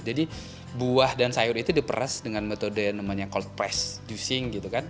jadi buah dan sayur itu diperas dengan metode yang namanya cold press juicing gitu kan